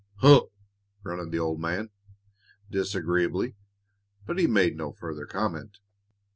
"Huh!" grunted the old man, disagreeably, but he made no further comment.